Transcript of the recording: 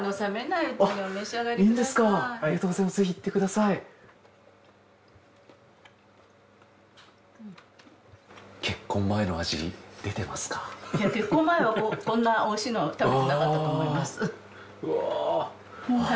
いや結婚前はこんな美味しいの食べてなかったと思います。